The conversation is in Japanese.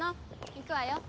行くわよ。